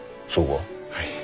はい。